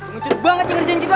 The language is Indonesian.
ngecut banget ya ngerjain kita